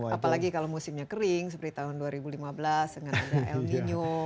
apalagi kalau musimnya kering seperti tahun dua ribu lima belas dengan ada el nino